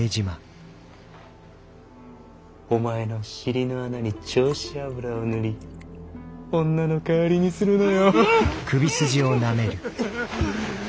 お前の尻の穴に丁子油を塗り女の代わりにするのよ。